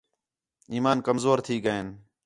ایمان کمزور تھی ڳئین